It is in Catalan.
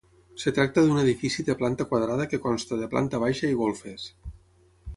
Es tracta d'un edifici de planta quadrada que consta de planta baixa i golfes.